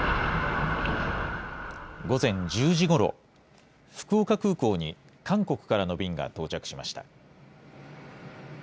午前１０時ごろ、福岡空港に韓国からの便が到着しました。